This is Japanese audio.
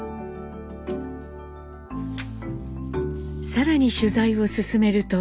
更に取材を進めると。